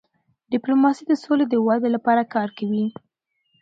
ډيپلوماسي د سولې د ودی لپاره کار کوي.